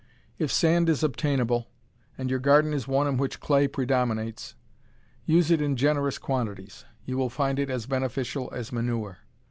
If sand is obtainable, and your garden is one in which clay predominates, use it in generous quantities. You will find it as beneficial as manure.